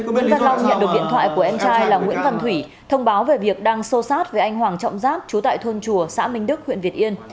nguyễn văn long nhận được điện thoại của em trai là nguyễn văn thủy thông báo về việc đang xô sát với anh hoàng trọng giáp chú tại thôn chùa xã minh đức huyện việt yên